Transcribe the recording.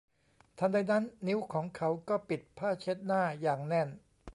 ทันใดนั้นนิ้วของเขาก็ปิดผ้าเช็ดหน้าอย่างแน่น